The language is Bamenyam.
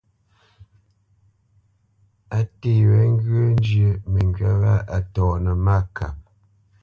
A nté wé ŋgyə̂ njyə́ məŋgywá wâ a tɔnə́ mâkap.